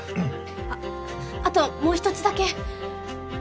ああともう１つだけ。